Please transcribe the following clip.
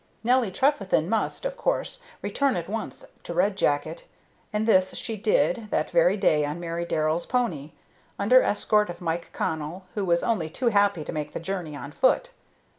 Nelly Trefethen must, of course, return at once to Red Jacket, and this she did that very day on Mary Darrell's pony, under escort of Mike Connell, who was only too happy to make the journey on foot.